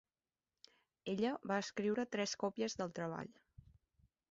Ella va escriure tres còpies del treball.